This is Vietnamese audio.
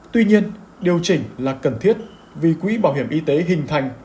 tuy nhiên điều chỉnh là cần thiết vì quỹ bảo hiểm y tế hình thành